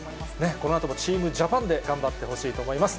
このあともチームジャパンで頑張ってほしいと思います。